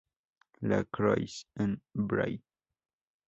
La Croix-en-Brie